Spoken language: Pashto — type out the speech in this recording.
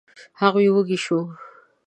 هغوی وږي شوو.